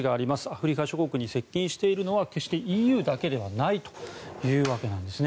アフリカ諸国に接近しているのは決してＥＵだけではないということです。